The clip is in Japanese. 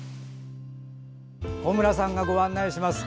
小村さんがご案内します。